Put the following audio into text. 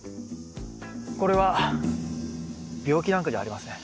これは病気なんかじゃありません。